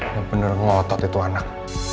yang bener ngotot itu anak